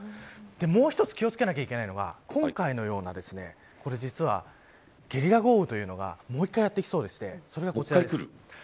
もう一つ気を付けなければいけないのが今回のようなゲリラ豪雨というのがもう１回やってきそうでそれがこちらです。